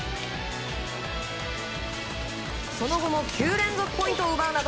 その後も９連続ポイントを奪うなど